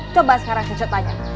coba sekarang si cu tanya